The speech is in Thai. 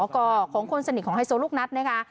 ก็ของคนสนิทของไฮโซลูกนัทนะคะ